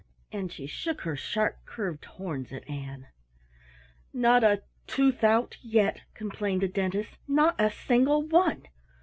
And she shook her sharp curved horns at Ann. "Not a tooth out yet!" complained the Dentist, "not a single one."